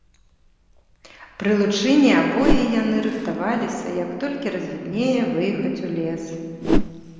Пры лучыне абое яны рыхтаваліся, як толькі развіднее, выехаць у лес.